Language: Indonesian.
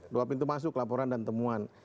dua pintu masuk laporan dan temuan